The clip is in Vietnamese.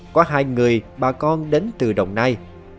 có hai người ba con đến từ đồng nai